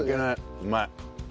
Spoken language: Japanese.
うまい。